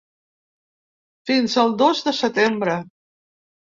Fins al dos de setembre.